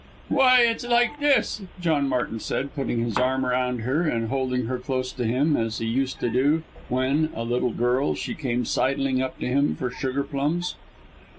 "Why it's like this!'" John Martin said, putting his arm round her and holding her close to him, as he used to do when, a little girl, she came sidling up to him for sugar plums.